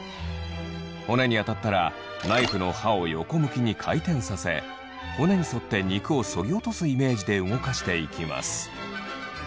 骨に当たったらナイフの刃を横向きに回転させ骨に沿って肉を削ぎ落とすイメージで動かしていきます。